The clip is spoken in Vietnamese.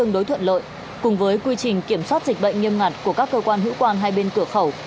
tương đối thuận lợi cùng với quy trình kiểm soát dịch bệnh nghiêm ngặt của các cơ quan hữu quan hai bên cửa khẩu